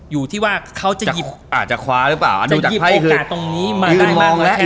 อยู่ที่ว่าเขาจะหยิบอ่าจะคว้าหรือเปล่าอันดูจากไพ่คือโอกาสตรงนี้มาได้มากแล้ว